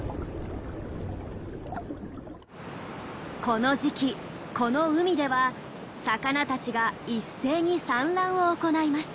この時期この海では魚たちが一斉に産卵を行います。